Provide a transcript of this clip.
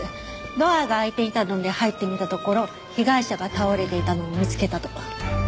ドアが開いていたので入ってみたところ被害者が倒れていたのを見つけたと。